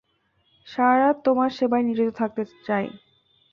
সারারাত তোমার সেবায় নিয়োজিত থাকতে চাই।